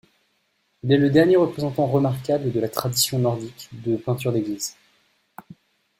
Il est le dernier représentant remarquable de la tradition nordique de peinture d'églises.